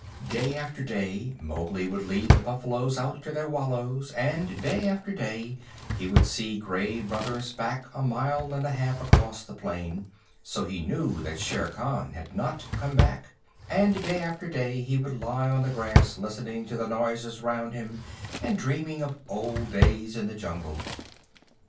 Day after day Mowgli would lead the buffaloes out to their wallows, and day after day he would see Gray Brother's back a mile and a half away across the plain (so he knew that Shere Khan had not come back), and day after day he would lie on the grass listening to the noises round him, and dreaming of old days in the jungle.